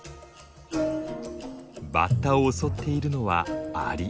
バッタを襲っているのはアリ。